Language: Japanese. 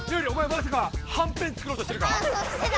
まさか「はんぺん」作ろうとしてるか⁉してた！